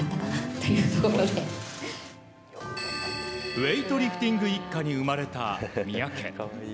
ウエイトリフティング一家に生まれた三宅。